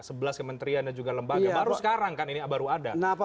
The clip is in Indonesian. sebelas kementerian dan juga lembaga baru sekarang kan ini baru ada